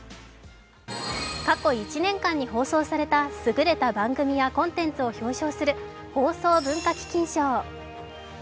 過去１年間に放送された優れた番組やコンテンツを表彰する放送文化基金賞。